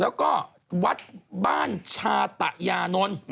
แล้วก็วัดบ้านชาตะยานนท์